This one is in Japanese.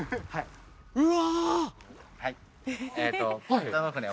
うわ！